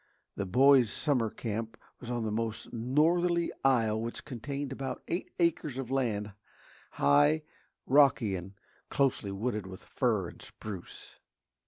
The boys' summer camp was on the most northerly isle which contained about eight acres of land, high, rocky, and closely wooded with fir and spruce.